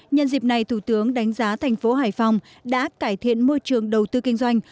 nhân dịp này thủ tướng đánh giá thành phố hải phòng đã cải thiện môi trường đầu tư kinh doanh